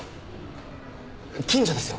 近所ですよ